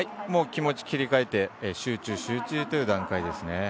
もう気持ちは切り替えて集中、集中という段階ですね。